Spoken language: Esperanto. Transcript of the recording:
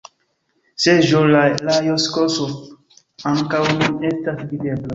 Seĝo de Lajos Kossuth ankaŭ nun estas videbla.